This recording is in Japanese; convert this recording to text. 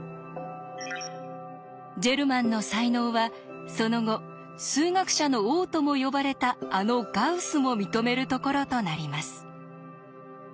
ジェルマンの才能はその後「数学者の王」とも呼ばれたあのガウスも認めるところとなります。